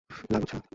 লাভ হচ্ছে না।